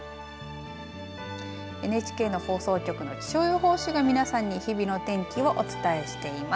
ＮＨＫの放送局の気象予報士が皆さんに日々の天気をお伝えしていきます。